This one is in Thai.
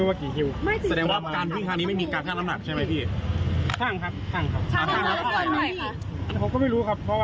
ปกติวิ่งวันละกี่ล่อวิ่งวันละกี่ล่อ